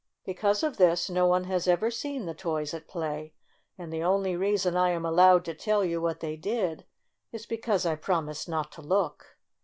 Because of this no one has ever seen the toys at play, and the only reason I am al lowed to tell you what they did is because I promised not to look.